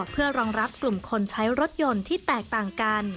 เพื่อรองรับกลุ่มคนใช้รถยนต์ที่แตกต่างกัน